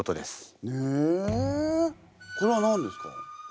これは何ですか？